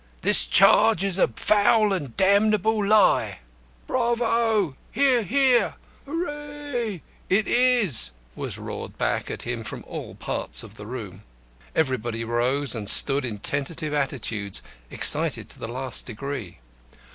This charge is a foul and damnable lie." "Bravo!" "Hear, hear!" "Hooray!" "It is!" was roared back at him from all parts of the room. Everybody rose and stood in tentative attitudes, excited to the last degree.